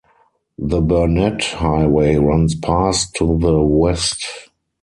The Burnett Highway runs past to the west.